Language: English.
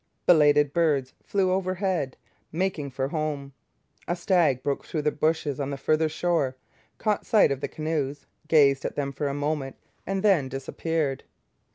Belated birds flew overhead, making for home. A stag broke through the bushes on the farther shore, caught sight of the canoes, gazed at them for a moment, and then disappeared.